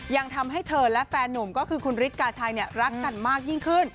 ยังทำให้เธอและแฟนหนุ่มก็คือคุณฤทธิกาชัยรักกันมากยิ่งขึ้น